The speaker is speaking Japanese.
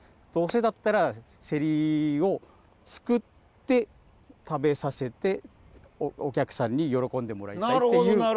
どうせだったらせりを作って食べさせてお客さんに喜んでもらいたいっていう。